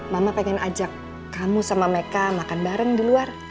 mama pengen ajak kamu sama mereka makan bareng di luar